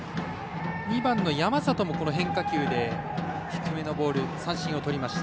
２番の山里も変化球で低めのボール三振をとりました。